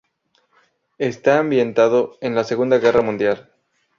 Está ambientado en la Segunda Guerra Mundial.